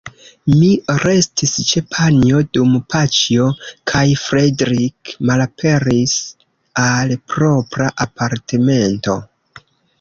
Mi restis ĉe Panjo, dum Paĉjo kaj Fredrik malaperis al propra apartamento.